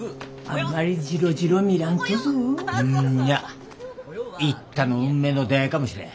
んにゃ一太の運命の出会いかもしれん。